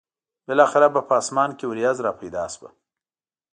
بالاخره به په اسمان کې ورېځ را پیدا شوه.